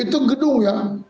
itu gedung ya